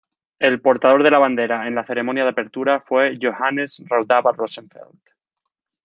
El portador de la bandera en la ceremonia de apertura fue Johannes Raudava-Rosenfeldt.